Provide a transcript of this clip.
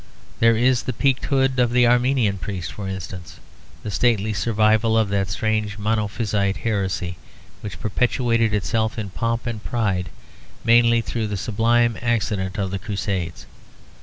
There is the peaked hood of the Armenian priest, for instance; the stately survival of that strange Monophysite heresy which perpetuated itself in pomp and pride mainly through the sublime accident of the Crusades.